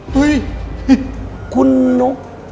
เฮ้ยคุณนก